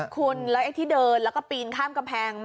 คุณแล้วไอ้ที่เดินแล้วก็ปีนข้ามกำแพง